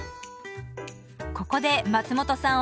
ここで松本さん